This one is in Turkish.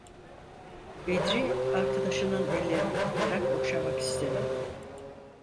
Bedri arkadaşının ellerini tutarak okşamak istedi.